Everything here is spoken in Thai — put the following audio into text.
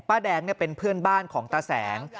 ป้าแดงเนี่ยเป็นเพื่อนบ้านของตาแสง